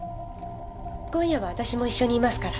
今夜は私も一緒にいますから。